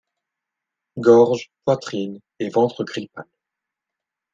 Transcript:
Gorge, poitrine et ventre gris pale.